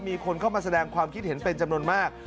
มีคนเข้ามาแสดงความคิดเห็นเป็นจำนวนมาก